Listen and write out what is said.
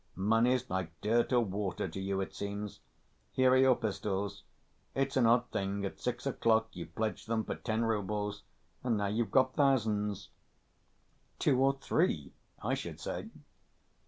Money's like dirt or water to you, it seems. Here are your pistols. It's an odd thing, at six o'clock you pledged them for ten roubles, and now you've got thousands. Two or three I should say."